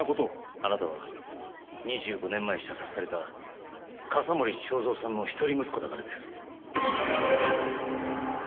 あなたは２５年前射殺された笠森昭三さんの一人息子だからです。